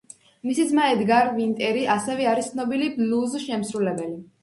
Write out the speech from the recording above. მისი ძმა ედგარ ვინტერი, ასევე არის ცნობილი ბლუზ შემსრულებელი.